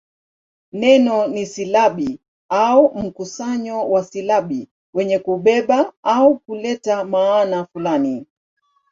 Neno ni silabi au mkusanyo wa silabi wenye kubeba au kuleta maana fulani.